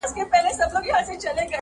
وریځو خو ژړله نن اسمان راسره وژړل-